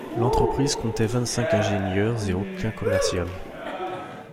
L'entreprise comptait vingt-cinq ingénieurs et aucun commercial.